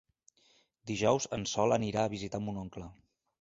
Dijous en Sol anirà a visitar mon oncle.